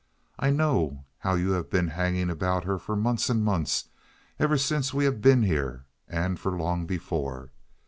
I know how you have been hanging about her for months and months—ever since we have been here, and for long before.